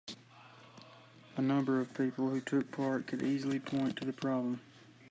A number of the people who took part could easily point to the problem